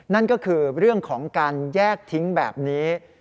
นั่นก็คือเรื่องของการแยกทิ้งแบบนี้